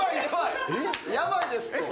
やばいですって。